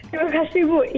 terima kasih bu